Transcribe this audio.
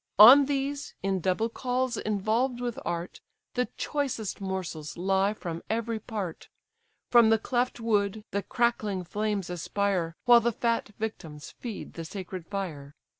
On these, in double cauls involved with art, The choicest morsels lie from every part, From the cleft wood the crackling flames aspire While the fat victims feed the sacred fire.